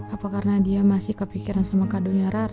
apa karena dia masih kepikiran sama kadonya rara